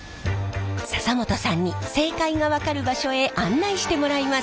笹本さんに正解が分かる場所へ案内してもらいます。